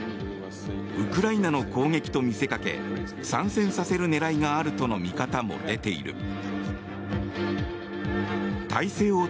ウクライナの攻撃と見せかけ参戦させる狙いがあるとの見方も出ている。